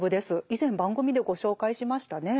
以前番組でご紹介しましたね。